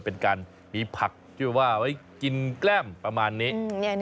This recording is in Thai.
เป็นการมีผักที่ว่าไว้กินแกล้มประมาณนี้